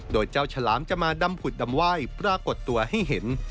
โดยเจ้าฉลามจะมาดำผุดดำไหว้ปรากฏตัวให้เห็น